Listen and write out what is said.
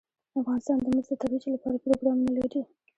افغانستان د مس د ترویج لپاره پروګرامونه لري.